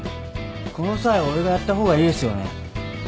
この際俺がやった方がいいですよね。